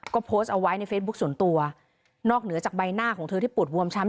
ก็โพสต์เอาไว้ในเฟซบุ๊คส่วนตัวนอกเหนือจากใบหน้าของเธอที่ปวดบวมช้ำ